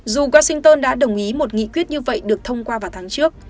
dù washington đã đồng ý một nghị quyết như vậy được thông qua vào tháng trước